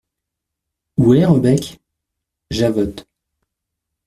Où est Rebec ? JAVOTTE.